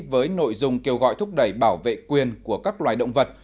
với nội dung kêu gọi thúc đẩy bảo vệ quyền của các loài động vật